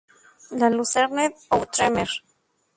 La Lucerne-d'Outremer